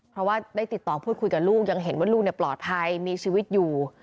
เพราะว่าได้ติดต่อพูดคุยกับลูกยังเห็นว่าลูกปลอดภัยมีชีวิตอยู่